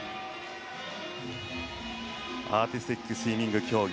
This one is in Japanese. アーティスティックスイミング競技